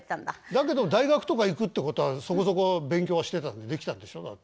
だけど大学とか行くってことはそこそこ勉強はしてたできたんでしょ？